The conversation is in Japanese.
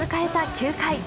９回。